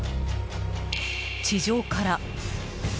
地上から。